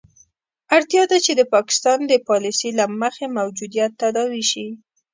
اړتیا ده چې د پاکستان د پالیسي له مخې موجودیت تداوي شي.